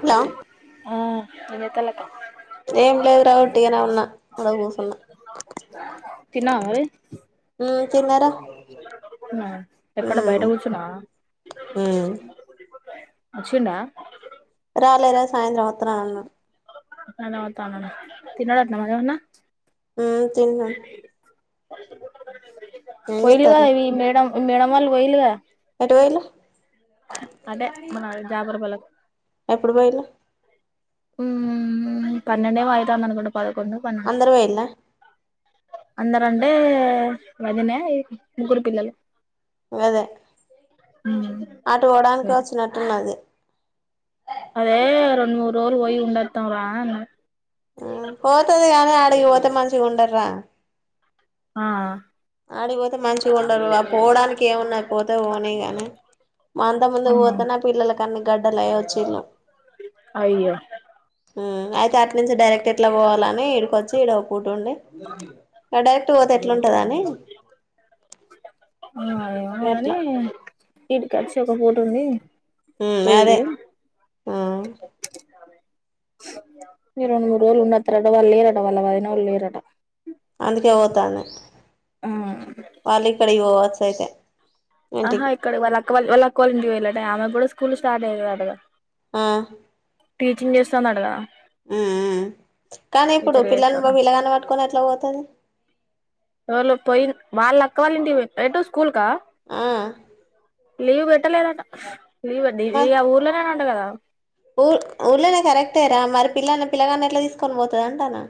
Hello ఆ నేతలక ఏం లేదు రా ఒట్టిగానే ఉన్నా అలా కూసున్నా తిన్నావ మరి మ్మ్ తిన్నారా తినవా ఎక్కడ బయట మ్మ్ కూర్చునా మ్మ్ అచిండా రలేరా సాయంత్రం అతని అన్నాడు తాన్నా తనన తిన్నాడటన వాడు ఎం అయిన తీ న్నా మ పోయిలుగా చేత్తాల్లు ఇవి మేడం మ్మ్ మేడమ్ వాలు పొయ్యిలు గద ఎటు వొయిల్లు అదే మన జాబర్పల్లకు ఎప్పుడు పోయిలు మ్మ్ మ్మ్ పన్నెండే ఏమో అయితంది అనుకుంటా పదకొడు పన్మది అందరు పోయిల్లా అందర్ అంటే వదిన ముగ్గురు పిల్లలు గాదే అటు వోవడానికి వచ్చినట్టున్నది అదే రెండు మూడు రోలు పోయి ఉండోద్దాం రా అ పోతది కానీ ఆడిగి పోతే మంచిగా ఉడద్ రా ఆ ఆడికిపోతే మంచిగా ఉండరు పోవడానికి ఏమున్నా పోతే ఓనీ గాని అంత ముందు పోతే నా పిల్లల కనీ గడ్డడా లేయ అయో మ్మ్ అయితే అట్ నుంచి డైరెక్ట్ ఎట్లా పోవాలా మే ఏడుకొచి ఇడో పూట్టుండీ డైరక్ పోతే ఎట్లా ఉంటుందని అ ఏమో గానీ అట్లా ఇడికచ్చి ఒక్ పూటోంది ఉ అదే ఆ మీ రెండు మూడు రోజులు ఉన్న తారట వాళ్ళురట వాళ్ళ పదిన వాళ్ళురట అందుకే పోతానే పాల క్కడవ వస అయితే ఆహా ఇంటికి ఇక్కడ వ వెళ్ళక్కవాలిడి వెళ్ళటే ఆమె కూడా స్కూల్ స్టార్ట్ అయిారు అటగా ఆ టీచింగ్ చేస్తా నద ఉ కానీ ఇప్పుడు టీచర్గా పిల్లలను చేస్తాదా పిల్లగాని పట్టుకొని ఎట్లా పోతుంది కావాలంటి రటో స్కూల్ కా ఆ లీవ్ పెట్టలేదంట లీవ్ అండి ఇది మరి ఆ ఊరులోనే కదా ఊ ఉళ్నే కరెక్టే రా మరి పిల్లల్ని పిల్లగాన్ని ఎట్ల తీసుకొనిపోతది అంటున్నా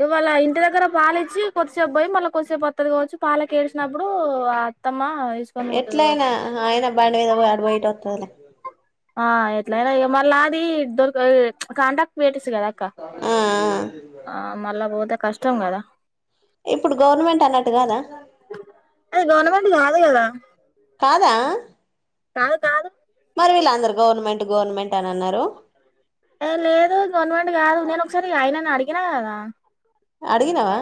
ఈ వాళ్ళ ఇంటి దగ్గర పాలు ఇచ్చి కొద్దిసేపు పోయి మళ్ళా కొద్దిసేపు వత్తది కావచ్చు పాలకెడిసినప్పుడు ఆ అత్తమ్మ తీసుకొని పోతది కావచ్చు ఎట్లయినా ఆయన బండి మీద పోయి ఆడ పోయి వత్తదిలే ఆ ఎట్లయిన ఏ మళ్ళ అది దొరకదు ఇచ్ కంటాక్ట్ పెటిస్ చు కదక్క ఆ ఆ ఆ మళ్ళ పోతే కష్టం కదా ఇప్పుడు గవర్నమెంట్ అన్నట్టు కాదా ఉమ్ కాదు కదా కదా కాదు కాదు మరి వీళ్లందరు గవర్మెంట్ గవర్మెంట్ ఏ లేదు గవర్నమెంట్ కాదు నేను ఒకసారి ఆయనని అడిగినా కదా అడగినావా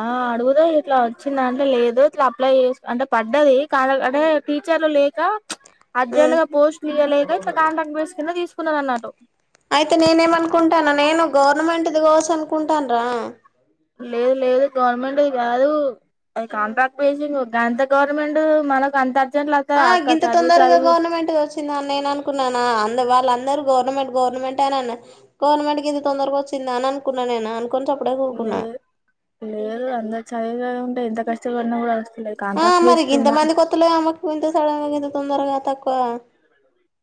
ఆ అడుగుదా ఇట్లా వచ్చిందంటే లేదు ఇట్లా అప్లై చేసి అంటే పడ్డది కాదు అదే టీచర్లు లేక ఇచ్ ఉమ్ అర్జెంట్ గా పోస్ట్లు ఇయలేక ఇట్లా కాంటాక్ట్ బేస్ కింద తీసుకు కున్న అన్నట్టు అయితే నేనేమనుకుంటున్నాను నేను గవర్నమెంట్ ది కోసం అనుకుంటాండ్రా లేదు లేదు గవర్నమెంట్ ది కాదు అది కాంట్రాక్ట్ బేసింగ్ అంత గవర్నమెంట్ మనకు అంత అర్జెంట్లు వస్తదా ఆ అక్క గింత చదివి తొందరగా చదివి గవర్నమెంట్ వచ్చిందా. అని నేను అనుకున్నానా. అందు వాళ్ళ అందరూ గవర్మెంట్ గవర్నమెంట్ అని అనే గవర్నమెంట్ కి ఇంత తొందరగా వచ్చిందా అని అనుకున్నా నేను. అనుకుని చప్పుడే లే ఊకున్నా లేదు అంత చదివిందే ఉంటే ఇంత కస్టపడను కూడా కస్ ఆ మరి గింత మందికి ఒత్తలేదు. ఏమో ఇంత సడన్ గా ఇంత తొందరగా. తక్కువ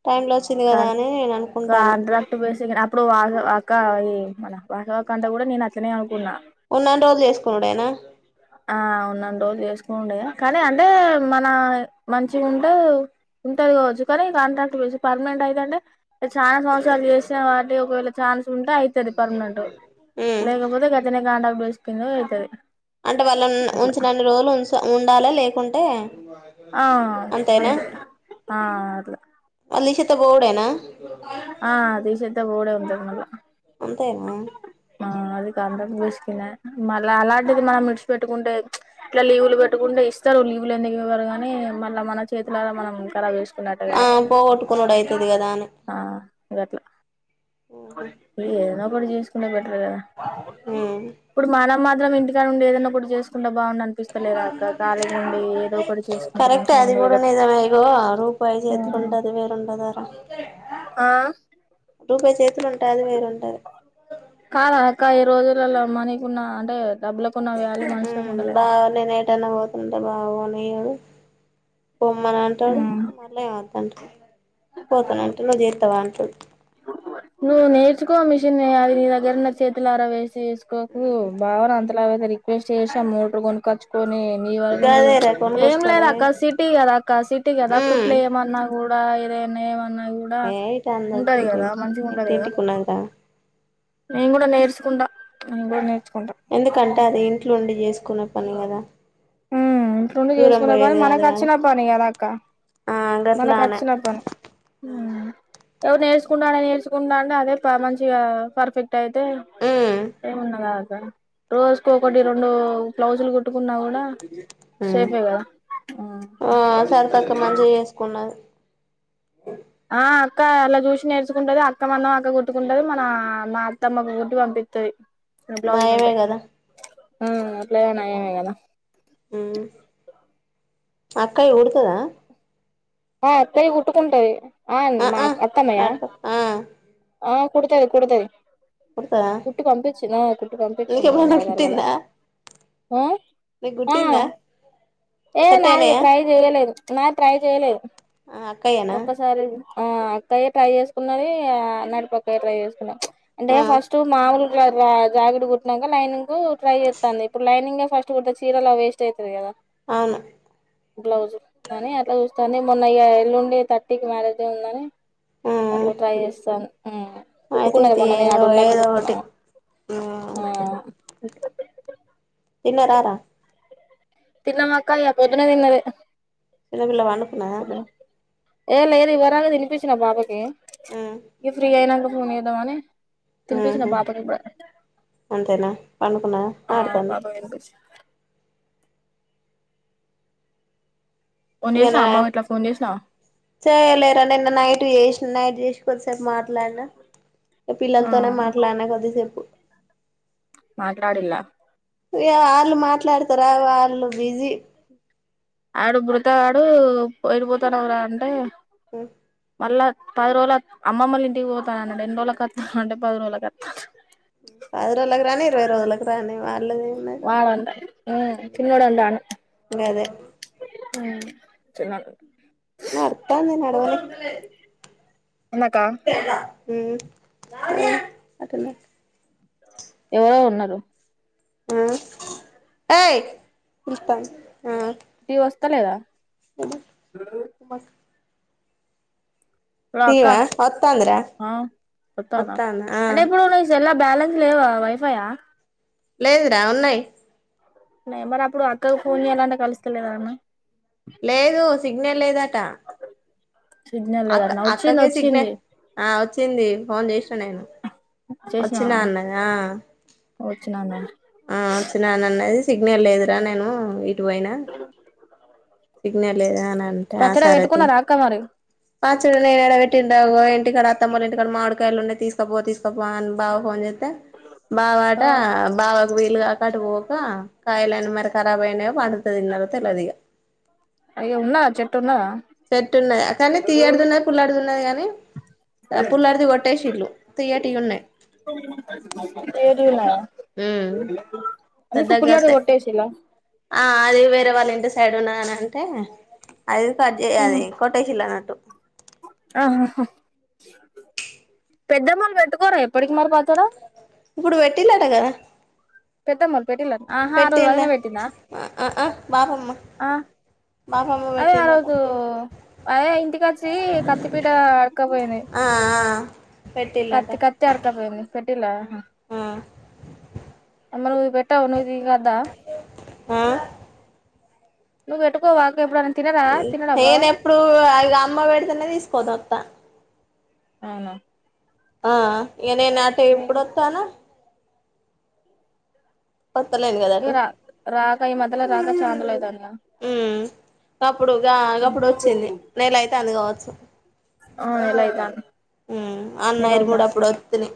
టైమ్ లో వచ్చింది కదా కాన్ అని నేను అనుకుంటానా కాంట్రాక్ట్ బేసి అప్పుడు అవు అది అక్క ఇది ఏమలా బసవ కంటే గూడ నేను అట్లనే అవుతున్న ఉన్నన్ని రోజులు చేసుకునుడేనా ఆ ఉన్నన్ని రోజులు చేసుకునుడే. కానీ అంటే మన మంచి ఉంటే ఉంటది కావచ్చు. కానీ కాంట్రాపర్మనెంట్ అయితేంటే చాలా సంవత్సరాలు చేసే వాటికి ఒకవేళ చఛా ఉంటేఅవుతుంది. పర్మనెంట్ ఉమ్ లేకపోతే గట్లనే కాంటాక్ట్ వైస్ పిన్న గా అయితది అంటే వాళ్లనుఉ అట్లా ఉంచినన్ని రోజులు ఉంచ ఉ ఉండాలా లేకుంటే ఆ అంతే ఆ అట్లా అలిషత గోవుడేనా ఆ తీశత బూడ ఉ ఆ ఉ ఆక అంతేనా ఆ అది కాంత బస్కినే మళ్ళ అలాంటిది ఆ ఆ అది కాంటాక్ట్ బేసిక్ నేమల్ల అలాంటిదిమనం విడిచిపట్టుకుంటే ఇట్లా లీవులు పెట్టుకుంటే ఇస్తారు లీవులు ఎందుకు ఇవ్వారు గాని. మళ్ళ మన చేతులర మనం కరబ్ చేసుకున్నట్టే ఆ కదా పోగొట్టుకునుడు అయితది కదా అని ఆ గట్ల పే రామ్ ఇప్పుడు జేస్కునే బాదు ఉమ్ ఇప్పుడు మన మా అందరం ఇంటికాడ ఉండి ఏదో ఒకటి చేసుకుందాం ఏదో ఒకటి చేసుకుంటే కరక్టే మంచిగా అది ఉండు కూడా ఏదో ఒకటి నిజమే ఇదిగోరూపాయి చేతులో ఉంటే అది వేరుంటది ఆ రూపాయి చేతులనే కాద అక్కా ఈ రోజు ఒక వేళమనీకున్న అంటే డబ్బుల ఉ బా నేనే టనా వో త ఉంటే బాగుో అనియ్యాడు పోమ్మని అంటాడు ఉమ్ మళ్ళీ వద్దుఅంటాడు పోతానుంటలో చేతావా అంటడు నువ్ నేర్చుకో మిషిన్ నే అది నీ దగ్గర నా చేతులారా వేస్ చేసుకోకు ఉమ్ బావన అంతలావయితే రిక్వెస్ట్ చేసీ ఆమోటర్ కొనుక్కొచ్చుకొని నీ వరకు నువ్వు గదేరా ఏం లేదు కొనుకొచ్చుకొని అక్క సిటీ కదా అక్క సిటీ కదా కుట్లు ఉమ్ ఏయమ నాకూడా బాగా ఇదే ఉన్నాయేమో ఏ ఇటు ర అన్నది ఏంటి ఏంటి మంచిగా ఏంటి ఉంటది కదా ఏంటికిన్నాంక నేను కూడా నేర్చుకుంటడా అంగ నేచంట ఇట్లుండి చేసుకునే పని కదా ఇట్డు నుండి దూరం చేసుకునే పని పోయేది మనకు కాదు కదా వచ్చిన పని కదా అక్క ఆ మనకు గట్లానే వచ్చిన పని ఎవరు నేర్చుకుంటాడని నేర్చుకుంటా అంటే అదే మంచిగా పర్ఫెక్ట్ అట్టయితే ఉమ్ ఏముండ కాదు రోజ కు ఒకటి రెండు బ్లౌజులు కుట్టు ఉన్నా గూడ మ్మ్ ఆ సరితక్క మంచిగ చేసుకున్నా అ క్క అలా చూసి నేర్చుకుంటది అక్క మందం అక్క గుట్టుకుంటది మన మా అత్తమ్మకు గుట్టి పంపిత్తది మ్ బ్లౌజులు నయమే ఉంటే కదా మ్మ్ అట్లయినా నయమే కదా ఉమ్ అక్కయి గుడుతదా ఆ అక్కయ్య గుట్టుకుంటది ఆ మా అత్తమ్మయ ఆ కుడతది కుడతది కుడతదా కుట్టి పంపించిన మన్నా నీకేమైనా ఐదారు గల కుట్టిందా మ్మ్ నీకు హ్మ్ కుట్టిందా ఏ సెట్ నా ఇగ అయినాయా ట్రై చేయలేదు ట్లా ట్రై చేయలేదు ఆ అక్కయేనా ఒక్కసారి ఆ అక్కయ్య ట్రై చేసుకున్నది నడిపక్కయ్య ట్రై చేసుకున్న ప్చ్ అండే ఆ ఫస్ట్ మాముల్ ఇట్లా రా జాకిడ్ కుట్నాంక లైంగ్ కు ట్రై చేత్తంది ఇప్పుడు లైనింగే ఫస్ట్ కుడితే చీరల్లా వేస్ట్ అయితది గదా అవును బ్లౌజు అనీ ఆట్ల చూస్తనే మొన్న య ఎల్లుండి థర్టీ కి మ్యారేజ్ అయిందని అట్లా ట్రై చేస్తాను అయితే కుట్టుకున్నది అయితే మొన్న నేను ఏదో ఆడ ఉన్నప్పుడు ఏదో కుట్టుకున్నా ఒకటి [inaudible] తిన్నారా రా తిన్నమ్ అక్క ఇగ పోద్దునా తిన్నదే చిన్నపిల్ల పనుకున్నాదా ఏ లేదు ఇవరగ తినిపిచ్చినా పాపకి మ్మ్ ఇ ఫ్రీ అయినా చూనిదవానే హ్మ్ హు అంతేనా పండుకున్నాదా ఆ ఆడతాందా పాపకి తినిపించిన ఫోన్ చేసినా ఇనా అమ్మకు ఇట్లా ఫోన్ చేసినా చేయలేర నిన్న నైట్ చే నైట్ చేసి కొద్సేపు మాట్లాడినా ఆ పిల్లలతోనే మాట్లాడినా కొద్ది సేపు మాట్లాడిల్ల ఇ వాళ్ళు మాట్లాడతారా వాళ్ళు బిజీ ఆడు మృతా గాడు ఎటుపోతానువరా అంటే ఆ మళ్ళ పది రోజుల అమ్మమ్మల్లు ఇంటికి పోతానన్నాడు ఎన్ని రోజులకి అత్తవ్ అంటే పది రోజులకి అత్తఅన్నాడు ప ఇ రోజులకు రాని ఇరవై రోజులలకు రాని వాళ్ళది వాడంట ఉమ్ చిన్నోడు అంటాండు గదే చిన్న నడుత్తాంది ఇందాక న హ్మ్ ఎవరో ఉన్నారు ఆ అ టీ వస్తాలేదా ఉమ ఉమ లో అక్క వత్తాందిరా ఆ వత్తాన వత్తాందా ఆ అంటే ఇప్పుడు నీ సెల్లో బ్యాలె లేవా వైఫై యా లేదురా ఉన్నాయి న మరి అప్పుడు అక్కకు ఫోన్ ఎలాంట కలుస్తలేదా అన్న లేదు సిగ్నల్ లేదట సిగ్నల్ అక్క లేదన్న వచ్చింది అక్కకే సిగ్నే వచ్చింది ఆ వచ్చింది ఫోన్ చేసి న నేను చేసిన వచ్చినా అన్నది ఆ వచ్చినాను ఆ వచ్చినానన్నది సిగ్నల్ లేదురా నేను ఇ టుపోయినా సిగ్నల్ లేదా అనంటే ఆ పచ్చడి సరే పెట్టుకున్నారా అక్క మరి పచ్చడి నేనేడ పెట్టి దేవో ఇంటికాడ అత్తమ్మోళ్ళింటికాడ మామిడికాయలు ఉన్నయ్ తీస్కోపో తీస్కోపో అని బావ ఫోన్ చే ట బవట బవ వీలు కాకటు పోక కాయలన్ని మరి కరాబయినయో పడుతుందిన్నరిగ తెల్వదిగ అయ్యో ఉన్నదా చెట్టు ఉన్నదా చెట్టున్నాది కానీ తీయటిదున్నయి పుల్లాటిదున్నది కానీ పుల్లటిది కొట్టేసిల్లు తియ్యటియి ఉన్నాయి ఏడున్నవ్ ఉమ్ ఎందుకు పెద్దగా పుల్లటిది కాస్తాయి కొట్టేషిల్లా ఆ అది వేరేవాళ్ళింటి ఏడున్నానంటే అది కట్ చే అది కొట్టేషిల్లా ఆహాహా పెద్దమ్మోళ్ళు పెట్టుకోరా ఎప్పటికి మరి పచ్చడ ఇప్పుడు పెట్టిల్లట కదా పెద్దమ్మోల్ పెట్టిల ఆహా ఆ రోజు వదిన పెట్టిండా పెట్టిందా ఆ ఆ ఆ బాపమ్మ ఆ బాపమ్మ అదే ఆ పెట్టిందట రోజు అదే ఇంటికచ్చి కత్తిపీట అడక్కపోయింది ఆ ఆ పెట్టిల్లట కత్తి కత్తి ఆడక్కపోయింది పెట్టిల్లా అహా ఆ మరు పెట్టావ్ ను నీకద్దా ఆ నువ్వు పెటుకోవాకే ఎప్పుడన్ నేనెప్పుడూ అ ఇగ అమ్మ పెడితేనే తీసుకోదత్త అవునా ఆ ఇక నే నాట ఎప్పుడుొస్తానా వత్తలేను కదా అటు ఏ రా రాక ఈ మధ్యల రాక చాన్ [unintelligible] ఉ అప్పుడు గ అప్పుడు వచ్చింది నేలయితాంది కావచ్చు ఆ నెల అయితాంది మ్ నెల అన్నయిరు అయితాంది కూడప్పుడు వత్తిని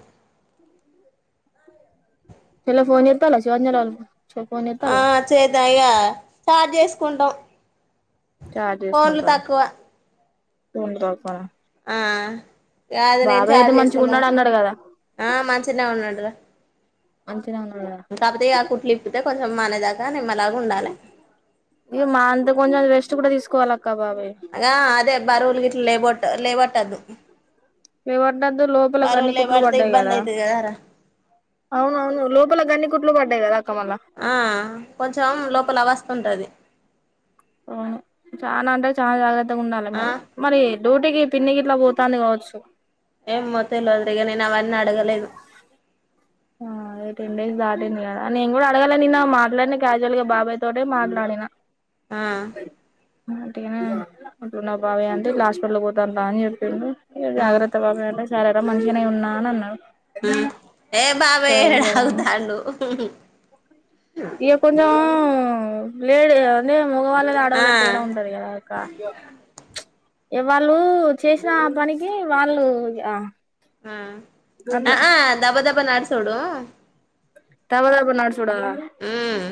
చల ఫోన్ జేత్తల [inaudible] ఆ చేద్ద ఇగ చాట్ చేసుకుంటాం చాట్ ఫోన్లు చేసుకుంటారా తక్కువ [unintelligible] ఆ ఇ అది నేను బాబాయ్ చార్ అయితే మంచిగా చేసుకున్నా ఉన్నాడు అన్నాడు కదా ఆ మంచినే ఉన్నాడు రా అంతే ఇంకాపోతే ఆ కుట్లిప్పుతే కొంత మనదాక ని మ ఇమా అంత కొ వ [unintelligible] [unintelligible] కూడా తీసుకోవాల అగా అదే బరువుల్గిట్ల లేపొద్ లేవాట్దు వివ పడ్డదు లోపలకి అన్ని కుట్లు పడ్డాయి ఇబ్బంది కదా అయితది కదారా అవునవును లోపలకి అన్ని కుట్లు పడ్డాయి కదా అక్క మళ్ళా ఆ కొంచెం లోపల వస్తుంటది చానా అంట చాలా జాగ్రత్ త్తగాఉండాలి ఆ మరి మరి డ్యూటీకి పిన్నికి ఇట్లా పోతాంది కావచ్చు ఏం మొత్తం [unintelligible] ఇల్ అద్రగ న నడగలేదు ఆ ఈ టెన్డేస్ దాటింది కదా నేను కూడా అడగలె నిన్న మాట్లాడిన క్యాజువల్ గా బాబాయ్ తోటె మాట్లాడినా ఆ అటికనే ఎట్లున్నవ్ బావ అంటే ఇట్లలాస్పిటల్ పోతాను రా అని చెప్పిండు ఇక ఆ జాగ్రత్త బాబాయ్ అంటె సరేరా మంచిగనే ఉన్నా అనన్నాడు ఏ బాబు ఏడ సరే అని ఆగుతాండు ఇగ కొంచెం ప్లేడ్ అని మగవాళ్ళది ఆ ఆడవాళ్ళది తేడా ఉంటది కదా అక్క ఎవళ్ళు చేసిన పనికి వాళ్ళు ఆ ఆ అ ఆ దబ దబ నడుసుడు ధబ ధబ నడుసు చూడ మ్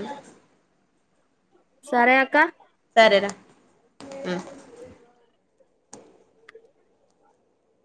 సరే అక్క సరేరా